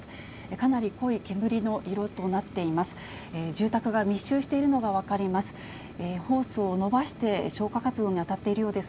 かなり濃い煙の色となっています。